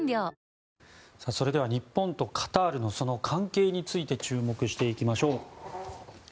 それでは日本とカタールの関係について注目していきましょう。